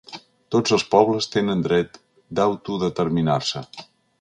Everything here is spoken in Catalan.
Tots els pobles tenen dret d’autodeterminar-se.